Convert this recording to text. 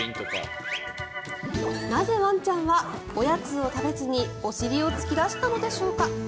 なぜ、ワンちゃんはおやつを食べずにお尻を突き出したのでしょうか。